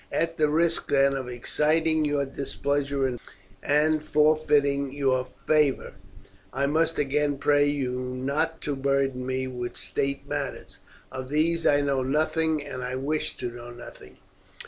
At the risk, then, of exciting your displeasure and forfeiting your favour, I must again pray you not to burden me with state matters. Of these I know nothing, and wish to know nothing.